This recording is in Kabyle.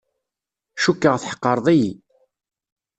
Cukkeɣ tḥeqqreḍ-iyi.